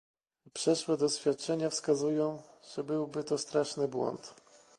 Przeszłe doświadczenia wskazują, że byłby to straszny błąd